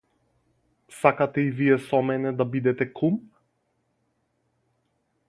Сакате и вие со мене да бидете кум?